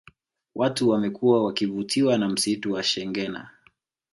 Watu wamekuwa wakivutiwa na msitu wa shengena